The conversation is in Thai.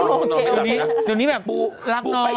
โอเค